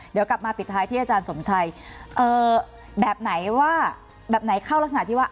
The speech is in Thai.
เดี๋ยวกลับมาปิดท้ายที่อาจารย์สมชัยแบบไหนว่าแบบไหนเข้ารักษณะที่ว่า